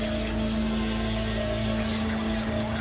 kalian memang tidak berguna